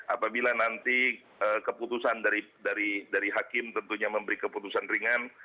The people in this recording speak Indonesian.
apabila nanti keputusan dari hakim tentunya memberi keputusan ringan